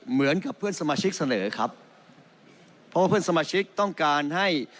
เหมือนกับเพื่อนสมาชิกเสนอครับเพราะว่าเพื่อนสมาชิกต้องการให้